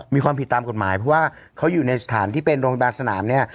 มีความผิดตามกฎหมายเพราะว่าเขาอยู่ในสถานที่เป็นโรงพยาบาลสนามเนี่ย